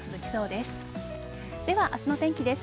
では、明日の天気です。